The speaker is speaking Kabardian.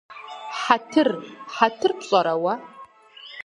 Хьэтыр… Хьэтыр пщӀэрэ уэ?